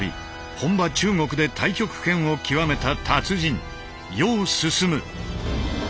本場中国で太極拳を極めた達人楊進。